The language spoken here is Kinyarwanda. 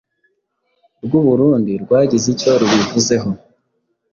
rw'u Burundi rwagize icyo rubivuzeho,